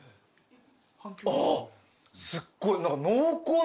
あすっごい。